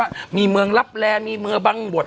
ว่ามีเมืองรับแร่มีเมืองบังบท